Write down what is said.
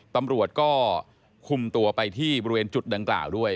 ตำรวจก็คุมตัวไปที่บริเวณจุดดังกล่าวด้วย